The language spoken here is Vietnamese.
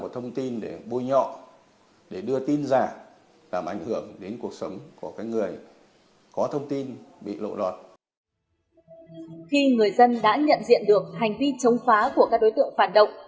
khi người dân đã nhận diện được hành vi chống phá của các đối tượng phản động